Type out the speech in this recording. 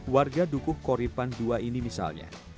warga dukuh koripan ii ini misalnya